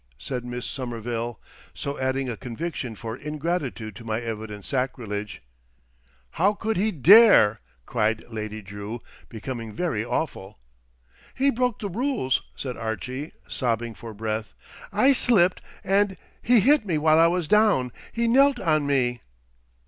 said Miss Somerville, so adding a conviction for ingratitude to my evident sacrilege. "How could he dare?" cried Lady Drew, becoming very awful. "He broke the rules" said Archie, sobbing for breath. "I slipped, and—he hit me while I was down. He knelt on me."